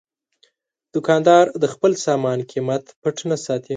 دوکاندار د خپل سامان قیمت پټ نه ساتي.